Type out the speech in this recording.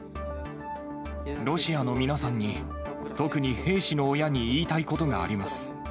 ロシアの皆さんに、特に兵士の親に言いたいことがあります。